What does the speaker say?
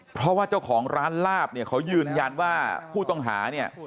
เพราะว่าเจ้าของร้านลาบเนี่ยเขายืนยันว่าผู้ต้องหาเนี่ย